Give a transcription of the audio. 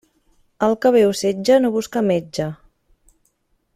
El que beu setge no busca metge.